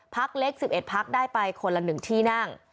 พักเล็ก๑๑พักได้ไปคนละ๑ที่นั่ง